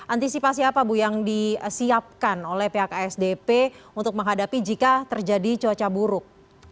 antisipasi apa bu yang disiapkan oleh pihak asdp untuk menghadapi jika terjadi cuaca buruk